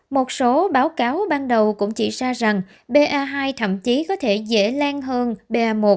một số báo cáo ban đầu cũng chỉ ra rằng ba hai thậm chí có thể dễ lan hơn ba một